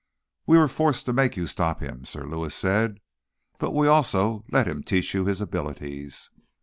"We were forced to make you stop him," Sir Lewis said. "But we also let him teach you his abilities."